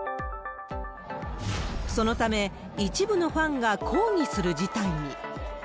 そのため、一部のファンが抗議する事態に。